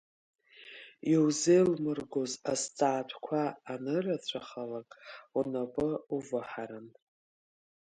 Иузеилмыргоз азҵаатәқәа анырацәахалак, унапы уваҳарын.